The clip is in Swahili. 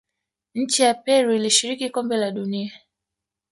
nchi ya peru ilishiriki kombe la dunia